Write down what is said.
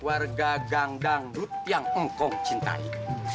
warga gangdang luth yang engkong cintai